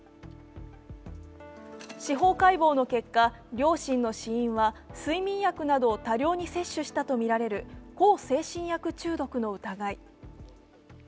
司法解剖の結果、両親の死因は睡眠薬などを多量に摂取したとみられる、向精神薬中毒の疑い。